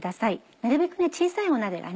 なるべく小さい鍋がね